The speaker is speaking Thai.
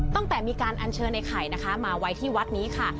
ตั้งแต่มีการอัญเชิญไอ้ไข่นะคะมาไว้ที่วัดนี้ค่ะ